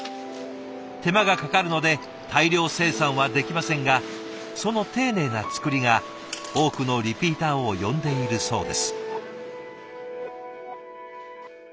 手間がかかるので大量生産はできませんがその丁寧な作りが多くのリピーターを呼んでいるそうです。